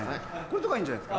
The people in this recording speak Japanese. これとかいいんじゃない？